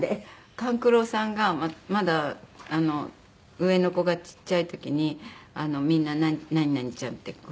勘九郎さんがまだ上の子がちっちゃい時にみんな何々ちゃんって。